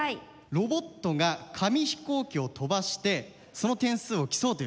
ロボットが紙飛行機を飛ばしてその点数を競うという競技ですね。